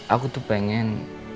aku tuh pengen